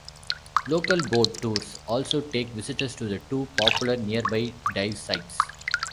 Local boat tours also take visitors to two popular nearby dive sites.